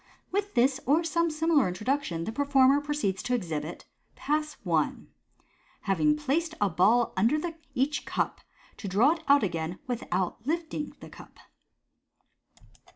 With this or some similar introduction, the performer proceeds to exhibit Pass I. Having Placed a Ball under each Cur, to draw it out again without Lifting the Cup.